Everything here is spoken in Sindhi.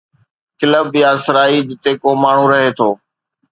ڪلب يا سرائي جتي ڪو ماڻهو رهي ٿو.